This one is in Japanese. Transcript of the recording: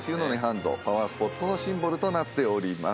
パワースポットのシンボルとなっております。